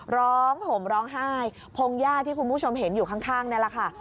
ห่มร้องไห้พงหญ้าที่คุณผู้ชมเห็นอยู่ข้างนี่แหละค่ะ